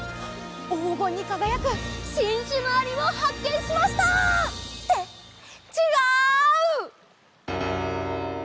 おうごんにかがやくしんしゅのありをはっけんしました！ってちがう！